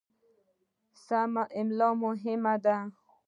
سمه املا مهمه ده.